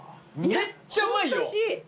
めっちゃうまいよ！